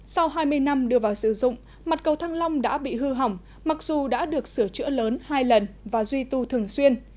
sau hai mươi năm đưa vào sử dụng mặt cầu thăng long đã bị hư hỏng mặc dù đã được sửa chữa lớn hai lần và duy tu thường xuyên